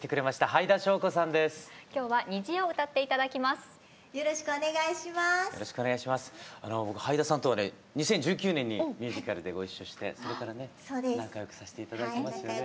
僕はいださんとはね２０１９年にミュージカルでご一緒してそれからね仲良くさせて頂いてますよね。